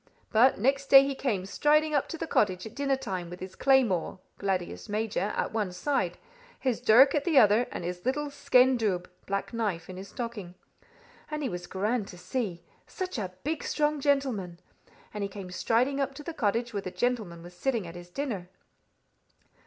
But next day he came striding up to the cottage, at dinner time, with his claymore (gladius major) at one side, his dirk at the other, and his little skene dubh (black knife) in his stocking. And he was grand to see such a big strong gentleman I And he came striding up to the cottage where the shepherd was sitting at his dinner.